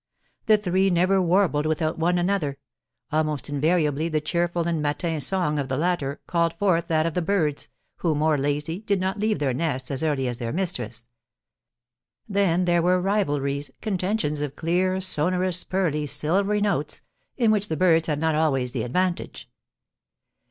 The three never warbled without one another; almost invariably the cheerful and matin song of the latter called forth that of the birds, who, more lazy, did not leave their nests as early as their mistress. Then there were rivalries, contentions of clear, sonorous, pearly, silvery notes, in which the birds had not always the advantage.